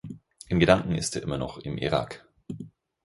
In Gedanken ist er immer noch im Irak.